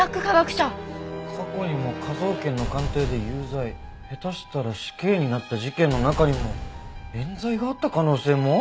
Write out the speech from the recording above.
「過去にも科捜研の鑑定で有罪下手したら死刑になった事件の中にも冤罪があった可能性も」！？